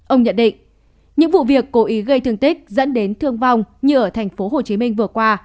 ông nhận định những vụ việc cố ý gây thương tích dẫn đến thương vong như ở tp hcm vừa qua